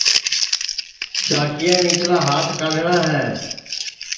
چاکِیا نِیچلا ہات کاڈؔٹؔا ہے